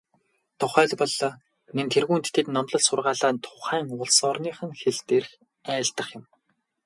Тухайлбал, нэн тэргүүнд тэд номлол сургаалаа тухайн улс орных нь хэл дээр айлдах юм.